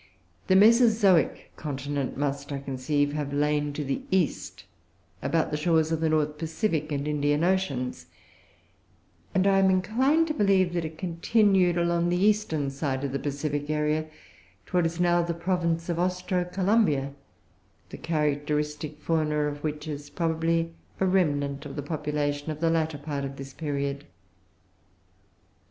The Mesozoic continent must, I conceive, have lain to the east, about the shores of the North Pacific and Indian Oceans; and I am inclined to believe that it continued along the eastern side of the Pacific area to what is now the province of Austro Columbia, the characteristic fauna of which is probably a remnant of the population of the latter part of this period.